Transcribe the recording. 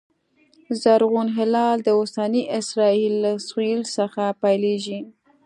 زرغون هلال د اوسني اسرایل له سوېل څخه پیلېږي